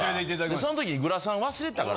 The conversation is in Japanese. その時グラサン忘れてたから。